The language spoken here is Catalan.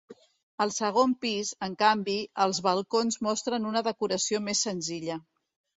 Al segon pis, en canvi, als balcons mostren una decoració més senzilla.